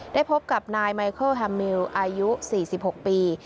ได้พบกับนายไมเคิลฮัมมิลอายุสี่สิบหกปี